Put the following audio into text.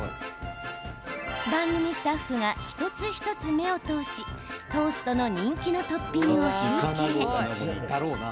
番組スタッフが一つ一つ目を通しトーストの人気のトッピングを集計。